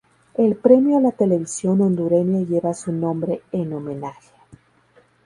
El premio a la televisión hondureña lleva su nombre en homenaje.